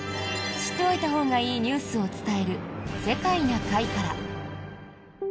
知っておいたほうがいいニュースを伝える「世界な会」から。